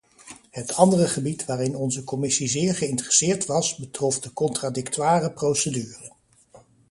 Het andere gebied waarin onze commissie zeer geïnteresseerd was betrof de contradictoire procedure.